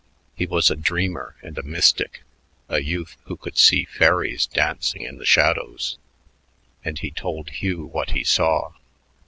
He was a dreamer and a mystic, a youth who could see fairies dancing in the shadows; and he told Hugh what he saw.